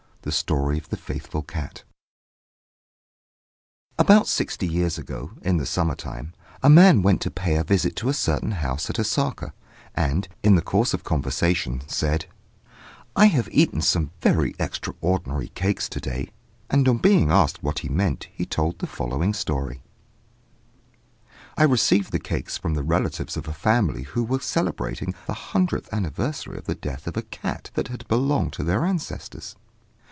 THE STORY OF THE FAITHFUL CAT About sixty years ago, in the summertime, a man went to pay a visit at a certain house at Osaka, and, in the course of conversation, said "I have eaten some very extraordinary cakes to day," and on being asked what he meant, he told the following story: "I received the cakes from the relatives of a family who were celebrating the hundredth anniversary of the death of a cat that had belonged to their ancestors.